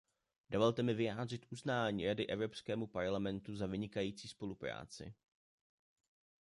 Dovolte mi vyjádřit uznání Rady Evropskému parlamentu za vynikající spolupráci.